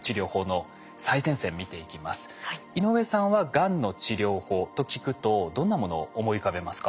井上さんはがんの治療法と聞くとどんなものを思い浮かべますか？